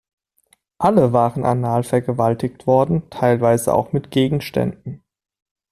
Alle waren anal vergewaltigt worden, teilweise auch mit Gegenständen.